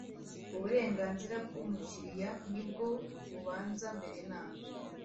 Uburenganzira bw umukiriya nibwo bubanza mbere na mbere